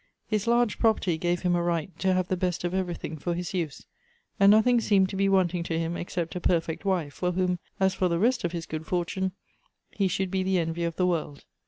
His large property gave him a right to have the best of everything for his use, and nothing seemed to be wanting to him except a perfect wife, for whom, as for the rest of his good fortune, he should be the envy of the world.